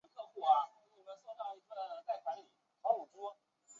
祝福大家都满载而归